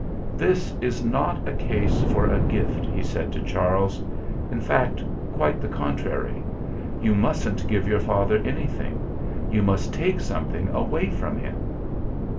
"This it not a case for a gift," he said to Charles. "In fact, quite the contrary. You mustn't give your father anything. You must take something away from him."